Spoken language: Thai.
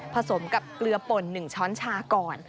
สมกับเกลือป่น๑ช้อนชาก่อน